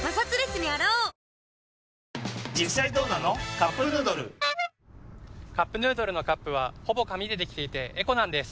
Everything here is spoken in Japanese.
「カップヌードル」「カップヌードル」のカップはほぼ紙でできていてエコなんです。